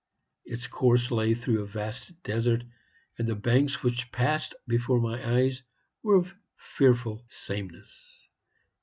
Its course lay through a vast desert; and the banks which passed before my eyes were of fearful sameness.